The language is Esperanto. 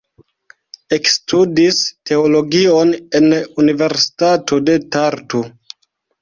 Ekstudis teologion en Universitato de Tartu.